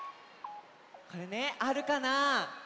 これねあるかな？